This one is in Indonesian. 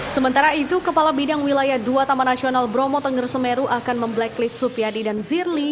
sementara itu kepala bidang wilayah dua taman nasional bromo tengger semeru akan memblacklist supyadi dan zirli